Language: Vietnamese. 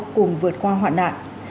cùng vượt qua hoạn nạn